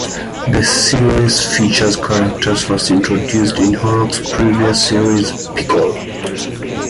The series features characters first introduced in Horrocks' previous series, "Pickle".